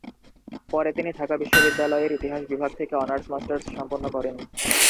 পরে তিনি ঢাকা বিশ্ববিদ্যালয়ের ইতিহাস বিভাগ থেকে অনার্স-মাস্টার্স সম্পন্ন করেন।